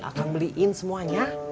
akang beliin semuanya